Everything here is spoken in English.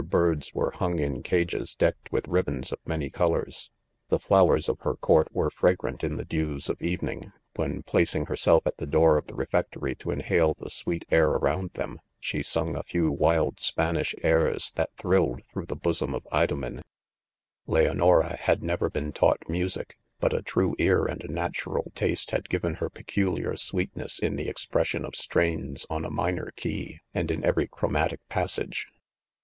birds were hung in cages decked, with ribands of many col ors, 'The flowers of her court were fragrant in the dews of evening, .when placing herself atthe 'door of the refectory to inhale the sweet' air around them, she saiig a few wild Spanish airs that thrilled through the bosom of Idomen* —• Leonora had never been taught . music, but a true ear and. a natural taste had given, her pe culiar sweetness in the expression of strains on a minor key, and in every chromatic pas sage.